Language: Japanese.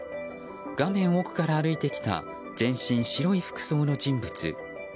画面奥から歩いてきた全身白い服装の人物。